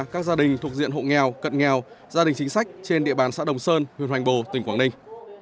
các gia đình thuộc diện hộ nghèo cận nghèo gia đình chính sách trên địa bàn xã đồng sơn huyện hoành bồ tỉnh quảng ninh